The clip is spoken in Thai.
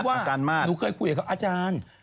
เขาถามว่าหนูเคยคุยกับเขาอาจารย์